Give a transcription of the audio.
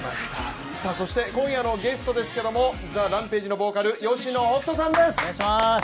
そして今夜のゲストですけれども、ＴＨＥＲＡＭＰＡＧＥのボーカル吉野北人さんです。